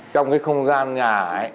trong cái không gian nhà ấy